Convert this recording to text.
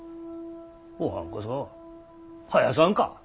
おはんこそ生やさんか。